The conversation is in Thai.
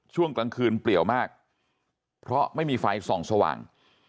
ช่วงกลางคืนเปลี่ยวมากเพราะไม่มีไฟส่องสว่าง